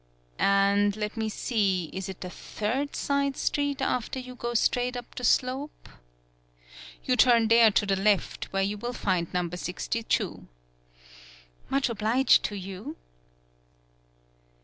"And let me see, is it the third side street after you go straight up the slope? ... You turn there to the left, 90 THE BILL COLLECTING where you will find number sixty two." "Much obliged to you."